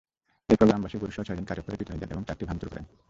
এরপর গ্রামবাসী গরুসহ ছয়জনকে আটক করে পিটুনি দেন এবং ট্রাকটি ভাঙচুর করেন।